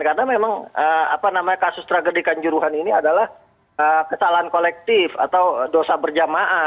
karena memang apa namanya kasus tragedi kanjurwan ini adalah kesalahan kolektif atau dosa berjamaah